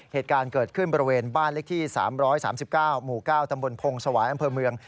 เหตุการณ์เกิดขึ้นบริเวณบ้านเลขที่๓๓๙หมู่๙ตำบลพงศวายอำเภอเมือง